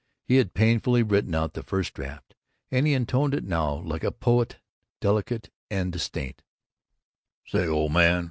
He had painfully written out a first draft, and he intoned it now like a poet delicate and distrait: SAY, OLD MAN!